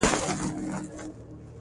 احمد په درسونو کې علي شاته کړ.